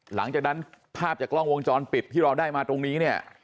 หลังจากนั้นภาพจากกล้องวงจรปิดที่เราได้มาตรงนี้เนี่ย